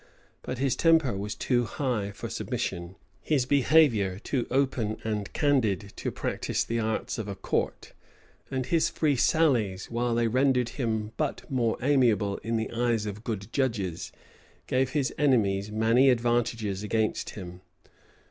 But his temper was too high for submission; his behavior too open and candid to practise the arts of a court; and his free sallies, while they rendered him but more amiable in the eyes of good judges, gave his enemies many advantages against him.